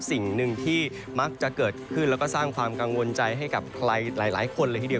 สิ่งหนึ่งที่มักจะเกิดขึ้นแล้วก็สร้างความกังวลใจให้กับใครหลายคนเลยทีเดียว